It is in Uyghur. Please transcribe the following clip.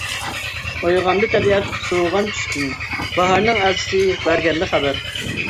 ئويغاندى تەبىئەت سوۋۇغان چۈشتىن، باھارنىڭ ئەلچىسى بەرگەندە خەۋەر.